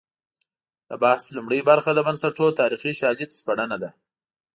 د بحث لومړۍ برخه د بنسټونو تاریخي شالید سپړنه ده.